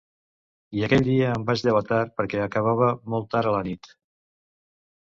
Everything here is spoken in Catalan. I aquell dia em vaig llevar tard perquè acabava molt tard, a la nit.